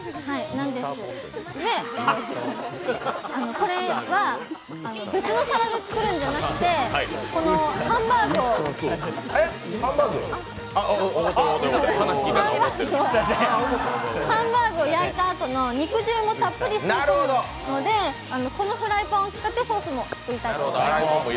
これは別の皿で作るんじゃなくて、ハンバーグを焼いたあとの肉汁もたっぷり染み込むのでこのフライパンを使ってソースを作りたいと思います。